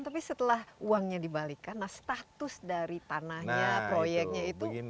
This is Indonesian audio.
tapi setelah uangnya dibalikan nah status dari tanahnya proyeknya itu